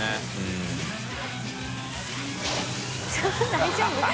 大丈夫？